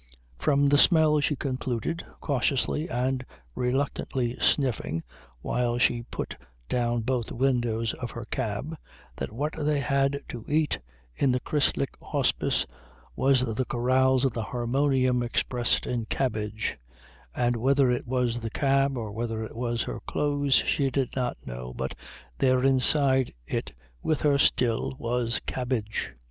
From the smell she concluded, cautiously and reluctantly sniffing while she put down both windows of her cab, that what they had to eat in the Christliche Hospiz was the chorales of the harmonium expressed in cabbage; and whether it was the cab or whether it was her clothes she did not know, but there inside it with her still was cabbage.